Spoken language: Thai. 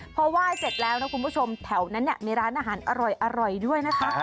พอไหว้เสร็จแล้วนะคุณผู้ชมแถวนั้นมีร้านอาหารอร่อยด้วยนะคะ